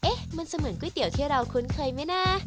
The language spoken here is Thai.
มันจะเหมือนก๋วยเตี๋ยวที่เราคุ้นเคยไหมนะ